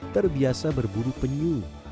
terbiasa berburu penyuh